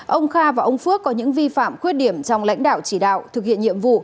ông kha và ông phước có những vi phạm khuyết điểm trong lãnh đạo chỉ đạo thực hiện nhiệm vụ